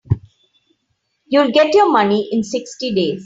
You'll get your money in sixty days.